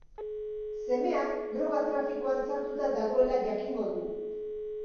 Semea droga trafikoan sartuta dagoela jakingo du.